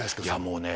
もうね